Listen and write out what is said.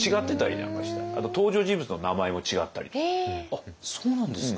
あっそうなんですか。